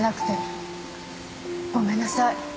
ごめんなさい。